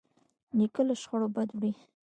نیکه له شخړو بد وړي.